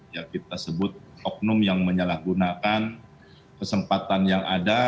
yang kita sebut oknum yang menyalahgunakan kesempatan yang ada